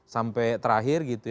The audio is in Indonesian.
sampai terakhir gitu